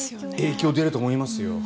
影響出ると思いますよ。